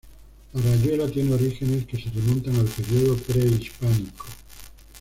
La rayuela tiene orígenes que se remontan al periodo prehispánico.